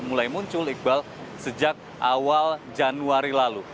mulai muncul iqbal sejak awal januari lalu